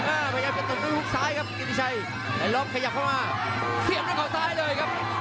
อ่าพยายามจะตกด้วยฮุกซ้ายครับกินที่ชัยไอรอบขยับเข้ามาเสียบด้วยข่าวซ้ายเลยครับ